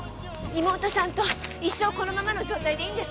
妹さんと一生このままの状態でいいんですか？